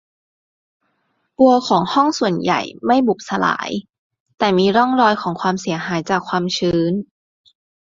บัวของห้องส่วนใหญ่ไม่บุบสลาย แต่มีร่องรอยของความเสียหายจากความชื้น